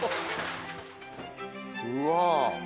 うわ。